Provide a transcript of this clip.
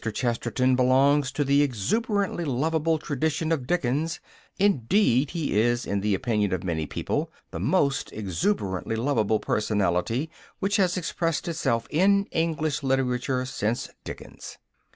Chesterton belongs to the exuberantly lovable tradition of Dickens; indeed, he is, in the opinion of many people, the most exuberantly lovable personality which has expressed itself in English literature since Dickens.